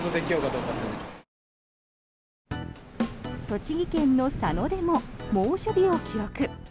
栃木県の佐野でも猛暑日を記録。